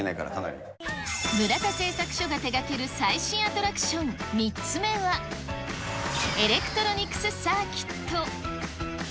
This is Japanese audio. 村田製作所が手がける最新アトラクション３つ目は、エレクトロニクスサーキット。